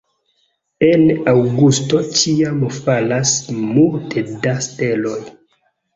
En aŭgusto ĉiam falas multe da steloj.